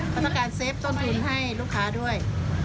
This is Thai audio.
ก็การเซฟต้นทุนให้ลูกค้าด้วย